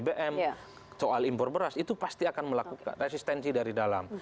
bbm soal impor beras itu pasti akan melakukan resistensi dari dalam